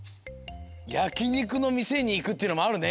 やきにくのみせにいくっていうのもあるね。